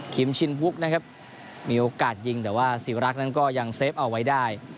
ชินวุกนะครับมีโอกาสยิงแต่ว่าศิวรักษ์นั้นก็ยังเฟฟเอาไว้ได้